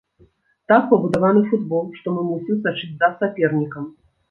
Так пабудаваны футбол, што мы мусім сачыць за сапернікам.